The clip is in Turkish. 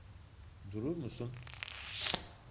Durur musun?